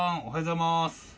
おはようございます。